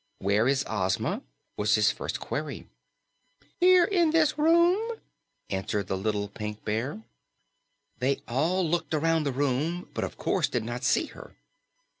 "Where is Ozma?" was his first query. "Here in this room," answered the little Pink Bear. They all looked around the room, but of course did not see her.